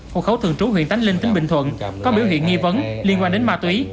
hộ khẩu thường trú huyện tánh linh tỉnh bình thuận có biểu hiện nghi vấn liên quan đến ma túy